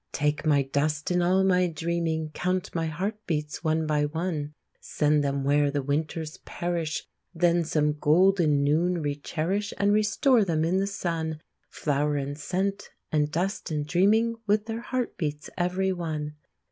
Take my dust and all my dreaming, Count my heart beats one by one, Send them where the winters perish; Then some golden noon recherish And restore them in the sun, Flower and scent and dust and dreaming, With their heart beats every one!